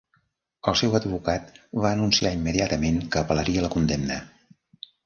El seu advocat va anunciar immediatament que apel·laria la condemna.